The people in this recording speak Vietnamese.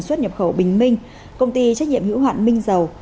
xuất nhập khẩu bình minh công ty trách nhiệm hữu hạn minh dầu